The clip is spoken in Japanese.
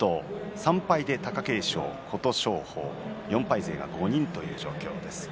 ３敗が貴景勝、琴勝峰４敗勢が５人という状況です。